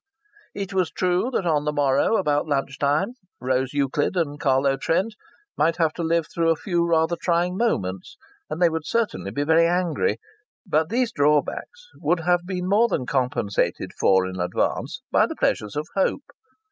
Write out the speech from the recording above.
It was true that on the morrow, about lunch time, Rose Euclid and Carlo Trent might have to live through a few rather trying moments, and they would certainly be very angry; but these drawbacks would have been more than compensated for in advance by the pleasures of hope.